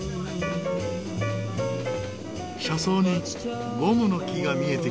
車窓にゴムの木が見えてきました。